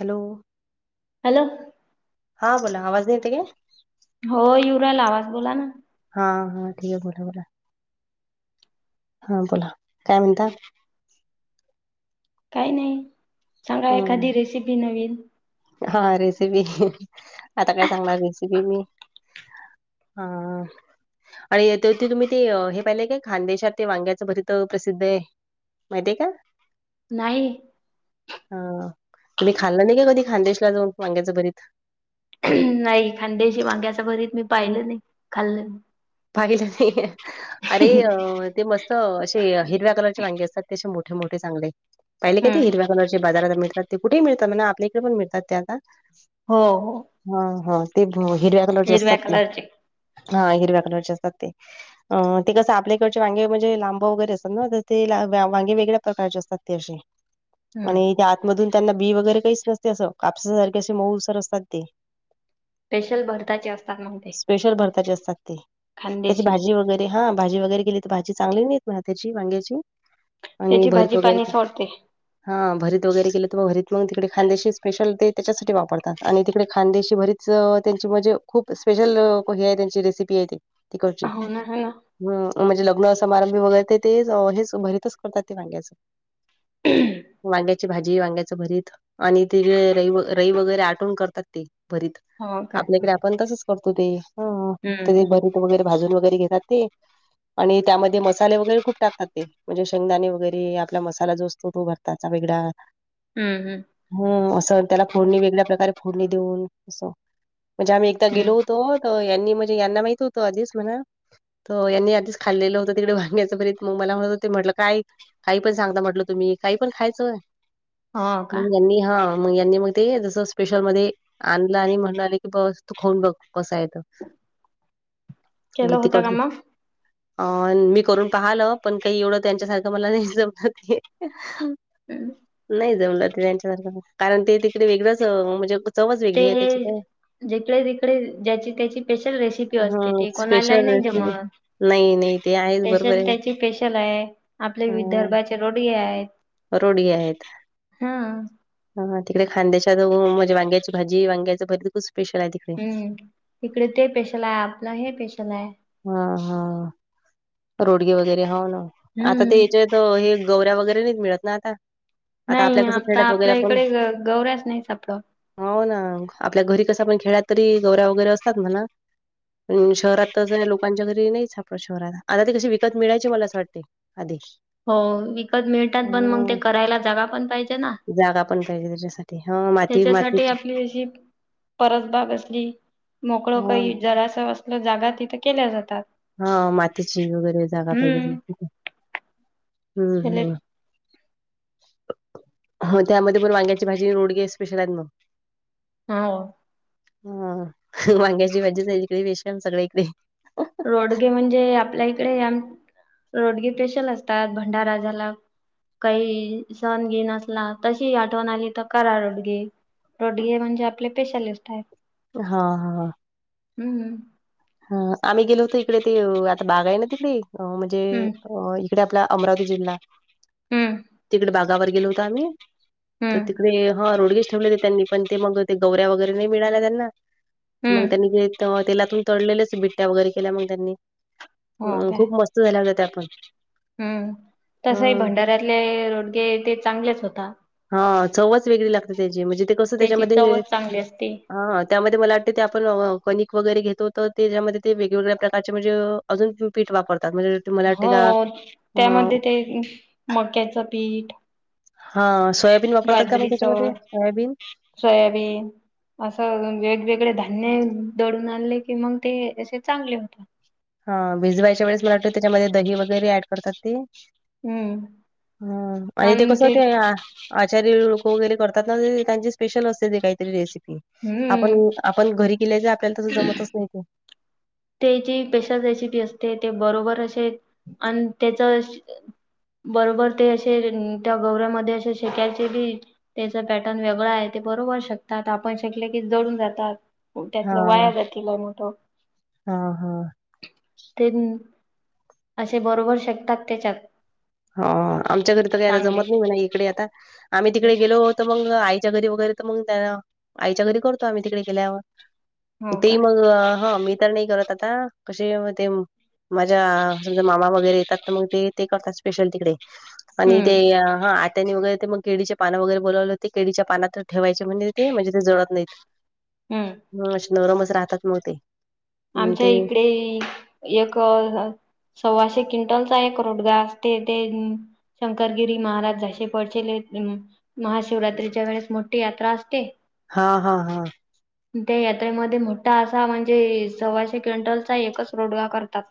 Hello, hello, हा, बोला आवाज येते काय? हो, येऊन राहिला आवाज बोला ना. हा, हा, ठीक आहे बोला बोला. हा, बोला काय म्हणता? काही नाही. सांगा एखादी हम्म रेसिपी नवीन? हा, रेसिपी आता काय सांगणार रेसिपी मी. हा आणि ताई ते तुम्ही ते हे पाहिले काय खानदेशात ते वांग्याचं भरीत प्रसिद्ध आहे. माहिती आहे का? नाही. हा, तुम्ही खाल्लं नाही का कधी खांदेशला जाऊन वांग्याचं भरीत? नाही. खानदेशी वांग्याचं अस भरीत मी पाहिलं नाही. खाल्लं पाहिलंच नाही अरे अ. ते मस्त असे हिरव्या कलरचे वांगी असतात ते असे मोठे मोठे चांगले. पाहिले कधी? हम्म हिरव्या कलरचे बाजारात मिळतात ते कुठेही मिळतात म्हना. आपल्या इकडे पण मिळतात ते आता हो हो हा हा ते हिरव्या कलरचे असतात. ते हा हिरव्या कलरचे असतात ते. अ ते कसं आपल्याकडचे वांगे म्हणजे लांब वगैरे असतात ना तर ते वांगे वेगळ्या प्रकारचे असतात ते असे. [inaudible] आणि त्या आतमधून त्यांना बी वगैरे काहीच नसते असं. कापसा सारखे असे मऊसर असतात ते. स्पेशल भरताचे असतात मग ते. स्पेशल भरताचे असतात ते. त्याची खानदेशी भाजी वगैरे ते हा भाजी वगैरे केेली तर भाजी चांगली नाही होत ना वांग्याची. आणि त्याची भाजी भरीत पाणी वगैरे सोडते हा भरीत वगैरे केलं तर मग भरीत मग तिकडे खान्देशीच ते त्याच्यासाठी वापरतात आणि तिकडे खांदेशी भरीतच त्यांची म्हणजे खूप स्पेशल हे त्यांची रेसिपी आहे ते तिकडं ची हो ना हो ना हम्म म्हणजे लग्न समारंभ वगैरे ते कुठे ही जावं भरीतच करतात ते वांग्याच वांग्याची भाजी, वांग्याच भरीत आणि जिरं, रई, रई वगैरे आटवून करतात ते भरीत हो काय आपल्याकडे आपण तसच करतो ते. ह ते हम्म ते भरीत वगैरे भाजून वगैरे घेतात. ते आणि त्यामध्ये मसाले वगैरे खूप टाकतात ते म्हणजे शेंगदाणे वगैरे आपला मसाला जो असतो तो भरत ताचा वेगळा हम्म हम्म, हम असं त्याला फोडणी वेगळ्या प्रकारे फोडणी देऊन. असं म्हणजे आम्ही एकदा हम्म गेलो होतो. हो, यांनी म्हणजे यांना माहीत होतो आधीच म्हणा. हो, यांनी आधीच खाल्लेलं होत. तिकडे वांग्याचं भरीत मग मला म्हणत होते म्हटलं काय. काही पण सांगता म्हटलं तुम्ही काही पण खायचंय. हो का, हा मग मग ते जस स्पेशल मध्ये आणलं आणि म्हणणाले की बस तू खाऊन बघ बसायचं केलं म तिक होतं [unintelligible] अ मी करून पाहाल पण काही एवढं त्यांच्या सारखं मला नाही जमलं ते. हम् नाही जमलं ते त्यांच्यासारखं कारण ते तिकडे वेगळंच म्हणजे चवच वेगळी ते आहे त्याची काय. जिकडे तिकडे ज्याची त्याची स्पेशल रेसिपी असते ह ते कोणालाही स्पेशल नाही रेसिपी जमत. नाही नाही ते आहेच बरोबर पेशल आहे त्याची पपेशल आहे आपले विदर्भाचे रोडगे आहेत. ोढी आहेत. हा. हा तिकडे खांद्याच्या जाऊ म्हज वांग्याची भाीांग्याचं भरी खपेशल आहे तिकडे. हम्म इकडे ते पेशल आहे आपलं हे पेशल आहे. हा हा रोडगे वगैरे हो ना आता ते हम्म याच्यात हे गवऱ्या वगैरे नाही मिळत ना आता. आपल्या नाही कसं आता खेड्यात वगैरे आपल्या आपण इकडे गौऱ्याच नाही सापडं. हो ना आपल्या घरी कसं पण खेळ तरी गवऱ्या वगैरे असतात म्हणा शहरात त लोकांच्या घरी नाहीच आपल्या शहर आता तेी कशी विकत मिळायची मला असं वाटते आधी. हो विकत मिळतात पण मग ते हं. करायला जागा पण पाहिजे ना. जागा पण पाहिजे तस. ते हां त्याच्यासाठी आपली अशी परतबाग असली मोकळ हा. काही जरास जागा तिथं केल्या जातात. हा मातीची वगैरे जागा पाहिजे हम्म हम्म हम्म. [unintelligible] हो त्यामध्ये पण वांग्याची भाजी रोडगे स्पेशल आहेत मग. हा. हा वांग्याची भाजी स इकडे वेशम सगळी कढे. रोडगे म्हणजे आपल्या इकडे रोडगे पेशल असतात भंडाराला काही सहण घे नसला तशी आठवण आली तर कर आड गे रोडग म्हणजे आपले पेशलिस्ट आहे. हा हा. हम्म. हा आम्ही गेलो होतो इकडे ते आता बागा आहे ना तिकडे म्हणजे हम्म अ तिकडे आपला अमरावती जिल्हा हम्म तिकडे बागावर गेलो होता आम्ही तर हम्म तिकडे हा रोडगेश ठेवले होते त्यांनी पण ते मग ते गौवऱ्या वगैरे नाही मिळाल्या त्यांना मग हम्म त्यांनी ज तेलातून तळलेलेच बिट्ट्या वगैरे केल्या मग त्यांनी हो हम काय खूप मस्त झाल्या हो त्या पण. हम्म तसही ह भंडाऱ्यातले रोडगे ते चांगलेच होता हा चवच वेगळी लागते त्याची म्हणजे ते कसं त्याची त्याच्यामध्ये चवच चांगली असते हा त्यामध्ये मला वाटतं ते आपण कणिक वगैरे घेतो तर त्याच्यामध्ये ते वेगवेगळ्या प्रकारचे म्हणजे अजून तम्ही पीठ वापरतात म्हणजे तु्हाला वाटते हो का अ त्यामध्ये ते मक्याचं पीठ हा सोयाबीन वापरतात का मग त्याच्यामध्ये बाजरीचं सोयाबीन. सोयाबीन असं वेगवेगळे धान्य दडून आणले की मग ते असे चांगले होतात. हा भिजवायच्या वेळेस मलाटत त्याच्यामध्ये दही वगैरे ऍड करतात ते हम्म हम आणि ते कस ते या आचार्य लोक वगैरे करतात ना ते त्यांची स्पेशल असते ते काहीतरी रेसिपी. आपण हम्म आपण घरी गेल्याच आपल्याला तसं जमतच नाही ते. ते जी पेशल रेसिपी असते ते बरोबर असे आणि त्याच बरोबर ते असे त्या गौऱ्यामध्ये असे शेकाायचे बी त्याच पॅटर्न वेगळं आहे ते बरोबर शकतात आपण शकले की जडून जातात. त्यातलं वाया जातीलय मोठं. ह हा. तेण असे बरोबर शकतात त्याच्यात. हो आमच्या घरी तर काही आता चांगले जमत नाही मि नाही इकडे आता आम्ही तिकडे गेलो होत. मग आईच्या घरी वगैरे तर मग त्याना आईच्या घरी करतो आम्ही तिकडे गेल्यावर हो तेी का मग हा मी तर नाही करत आता कशी ते माझ्या समजा मामा वगैरे येतात तर मग ते ते करतात. स्पेशल तिकडे आणि ते हम्म हा त्यानी वगैरे ते मग केडीचे पान वगैरे बोलाव होते केडीच्या पानात ठेवायचे म्हणजे ते म्हणजे ते म्हणजे जळत नाहीत. हम्म हा आशे नरमच राहतात मग ते. अं, आमच्या ते इकडे एक सव्वाशे क्विंटलचा एक रोटगा अस ते ते. शंकरगिरी महाराज जसे पळचेले महाशिवरात्रीच्या वेळेस मोठी यात्रा असते. हा हा हा. त्या यात्रेमध्ये मोठा असा म्हणजे सव्वाशे क्विंटलचा एकच रोडगा करतात.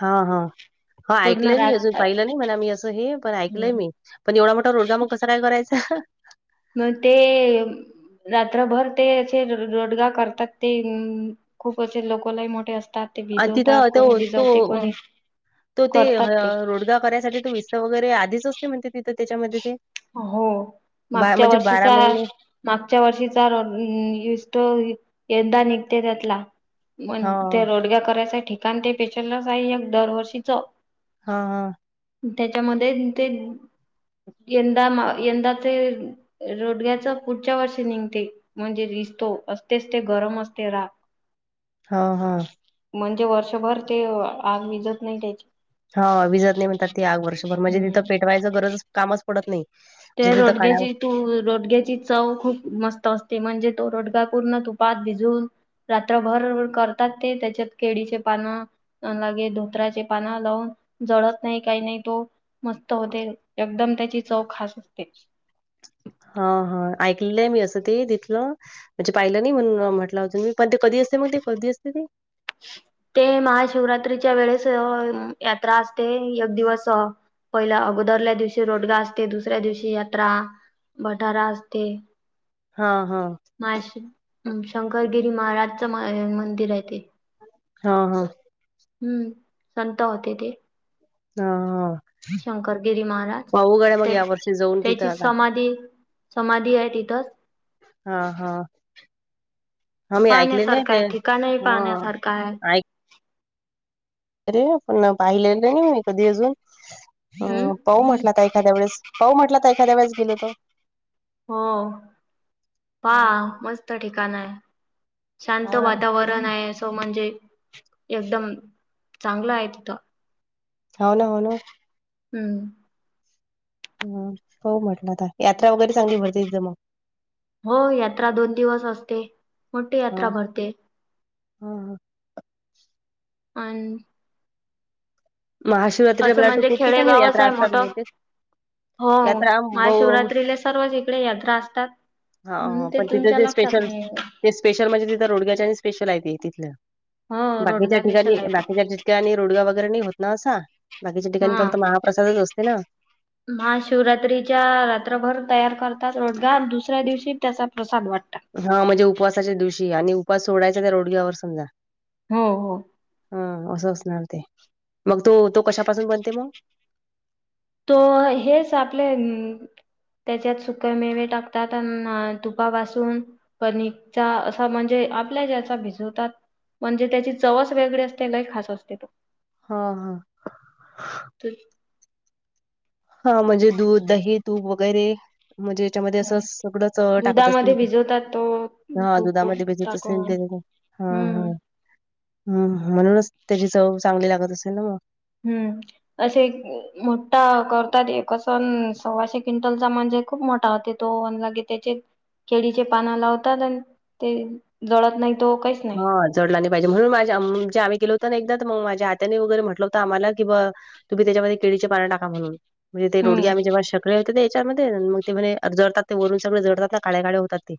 हा हा हा पूर्ण ऐकलंय मी अजून रात पाहिलं नाही म्हणा मी असं हे पण ऐकलंय मी. पण एवढा मोठा रोडगा मग कसा काय भरतचा. मग ते रात्रभर ते असे रोडगा करतात ते अ, खूप अस लोकलाही मोठे असतात. ते अन भिजवतात तिथं कोणी तो भिजवते तो कोणी तो ते रोडगा करायसाठी तो विस वगैरे आधीच असते म्हणते तिथ. हो बा मागच्या म्हणजे वर्षीचा महिने मागच्या वर्षीचा विसतो यंदा निघते त्यातला. मग त्या हां, रोडग्या करायचं आहे ठिकाण ते पेशललाच आहे एक दरवर्षीच. हा हा. त्याच्यामध्ये ते. यंदा यंदा ते रोडग्याच पुढच्या वर्षी निघते. म्हणजे विसतो असतेच ते गरम असते राख. हा हा. म्हणजे वर्षभर ते आग विजत नाही त्याची. हा विजत नाही म्हणतात ती आग वर्षभर म्हणजे हम्म तिथं पेटवायचं गरज कामच पडत नाही. त्या म्हणजे तिथं काढावं रोडग्याची तू रोडग्याची चव खूप मस्त असते म्हणजे तो रोडगा पूर्ण तू पात भिजून. रात्रभर करतात ते त्याच्यात केळीचे पानं, अ लागे धोत्राचे पाना लावून जळत नाही काही नाही तो. मस्त होते एकदम त्याची चव खास असते. हा हा ऐकलेलं आहे मी असं ते तथलं म्हणजे पाहिलं नाही म्हणून म्हटलं अजून मी. पण ते कधी असते मग ते कधी असते ते. ह [unintelligible] ते महाशिवरात्रीच्या वेळेस यात्रा असते एक दिवस. पहिल्या अगोदरल्या दिवशी रोडगा असते दुसऱ्या दिवशी यात्रा भटारा असते. हा हा. माश शंकरगिरी महाराजचं मंदिर आहे ते. हा हा. हम्म संत होते ते. हा ह. शंकरगिरी महाराज ते. यावर्षी जाऊन तिथं त्याची आता समाधी समाधी आहे तिथंच हा हा हा मी ऐकलेले पाहण्यासारखं ते आहे ठिकाणही हा पाहण्यासारखं आहे अरे पण पाहिलेलं नाही मी कधी अजून हम्म पाह म्हटला तर एखाद्या वेस पाहऊ म्हटला तर एखाद्याेळेस गेलोतो हम हा हो मस्त ठिकाण आहे शांत ना वातावरण आहे तो म्हणजे एकदम चांगला आहे तिथ होन होन हम्म ह होह म्हटलं आता यात्रा वगैरे सांगली भरते एकद मग हो यात्रा दोन दिवस असते मोठी हा यात्रा भरते हा हा अन असं महाशिवरात्री म्हणजे खूप ठिकाणी खेडेगावच यात्रा आहे असतात मोठं बते हो महाशिवरात्रीले सर्वच इकडे यात्रा असतात म्हणून हा ते पण तिथं तुमच्या जे लक्षात स्पेशल नाही आहे. ते स्पेशल म्हणजे तिथं रोडग्याच्या आणि स्पेशल आहे ते तिथलं हो बाकीच्या रोडगा ठीिका पेशल आहे तो बाकीच्या आणि रोडगा वगैरे नाही होत ना असा बाकीच्या ठिकाणी फक्त महाप्रसादच असते ना महा शिवरात्रीच्या रात्रभर तयार करतात रोजगा दुसऱ्या दिवशी त्याचा प्रसाद वाटतात हा म्हणजे उपवासाच्या दिवशी आणि उपवास सोडायचा त्या रोडग्यावर समजा हो हो हा असं असणार ते मग तू तो कशापासून बनते मग तो हेच आपले त्याच्यात सुक मेवे टाकतात अ तुपा बासून पणचा असा म्हणजे आपल्या ज्याचा भिजवतात म्हणजे त्याची चवस वेगळी असते काही खास असते तो हा हा ते हा म्हणजे दूध दही तूप वगैरे म्हणजे त्याच्यामध्ये अस सगळंच टाकत असतील दुधामध्ये भिजवतात तो हा तूप वूप दुधामध्ये भेजत असेतील टाकून ते हा हा हम्म हम् म्हणूनच त्याची चव चांगली लागत असेल ना मग. हम्म असे मोठा करतात एक सण सव्वाशे क्विंटलचा म्हणजे खूप मोठा होते गे त्याचे केळीचे पाना लावतात आणि ते जळत नाही तो काही हा जडला नाहीहिजे म्हणून माझ्याणे आम्ही गेो होत ना एकदा तर मग माझ्या आतनेगैरे म्हटलं होत आम्हाला की ब तुम्ही त्याच्यामध्ये केळीडीचे पाणी टाका म्हून म्हणजे हम्म तेोडी आम्ही जेव श सग होते याच्यामध्ये मग ते म्ह जडतात ते वरून सगळे जडतात ना काळ्या काळे होतात ते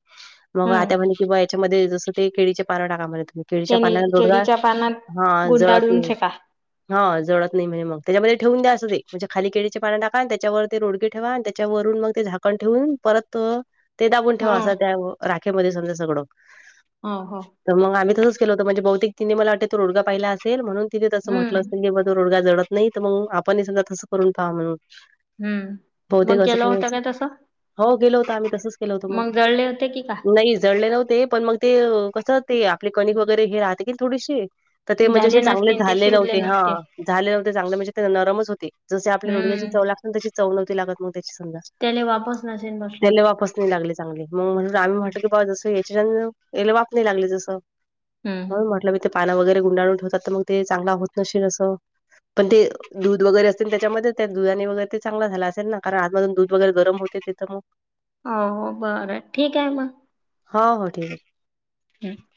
मग हम्म आता म्हणे कंवा याच्यामध्ये जसं ते केळीचे पारा टाका म आहे तुम्ही केळीच्या केणी पाण्याने दोडगा केळीच्या पानात हा जळत गुंडाळून नाही फेका हा जडळत नाही म्हणजे मग त्याच्यामध्ये ठेवून द्या असं ते म्हणज खाली केळीचे पां टाका त्यावर ते रोडगे ठेवा आणि त्याच्यावरून मग ते झाकण ठेवून परत. ते दाबून ठेवा हा असा त्या राखेमध्ये समजा सगळं ह हो तर मग आम् तसं के होत म्हणजे बहतिक तिने मला वाटत तोडाहिला असेलणून तिथे तसं हम्म म्हटलं असेल की ब तो रोडगा जडत नाही तर मग आपण समजा तसं करून पहा म्हणून. हम्म बहुतेक मग असं गेलं काही होतं काय असेल. तस हो गेलो होत आम्ही तसच केल होतो होते की का मग नाही जडले नव्हते पण मग. ते कसं ते आपले कणिक वगैरे हे राहते कि थोडीशी तर ते म्हणजे झाले असे चांगले नसतील ते झाले शिजले नव्हते हा नसतील झाले नव्हते चांगले म्हणजे ते नरमच होते. जसे आपल्या रोडग्याची हम्म चव लागते ना त्याची चव नव्हती लागत मग त्याची समजा. त्याले वापच नसेन बसली. त्याला वाफच नाही लागले चांगली मग म्हणट आम्ही म्हटलं की बाबा जसं याच्या याला वाप नाही लागले जसं. हम्म. म्हणून म्हटलं मी ते पान वगैरे गुंडाळून ठेवतात तर मग ते चांगला होत नशील असं. पण ते दूध वगैरे असतील त्याच्यामध्ये त्या दुधा वगैर ते चांगला झालं असेल ना. कारण आत मधून दूध वैगैर गरम होते ते तर मग हो हो बर ठीक आहे मग. हो हो ठीक आहे. ह